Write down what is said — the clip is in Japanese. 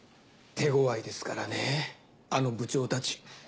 手ごわいですからねあの部長たち。